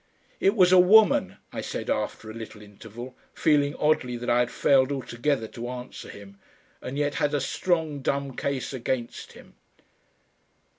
"It was a woman," I said after a little interval, feeling oddly that I had failed altogether to answer him, and yet had a strong dumb case against him.